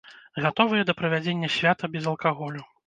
Гатовыя да правядзення свята без алкаголю.